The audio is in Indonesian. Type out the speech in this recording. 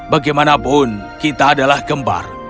bagaimanapun kita adalah gembar